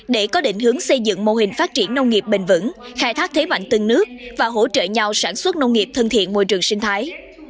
để có định hướng xây dựng mô hình phát triển nông nghiệp bền vững khai thác thế mạnh từng nước và hỗ trợ nhau sản xuất nông nghiệp thân thiện môi trường sinh thái